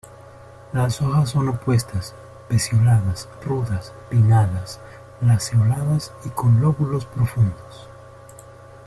Las hojas son opuestas, pecioladas, rudas, pinnadas, lanceoladas y con lóbulos profundos.